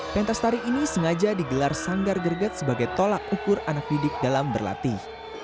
pentas tari ini sengaja digelar sanggar greget sebagai tolak ukur anak didik dalam berlatih